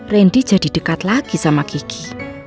randy jadi dekat lagi sama gigi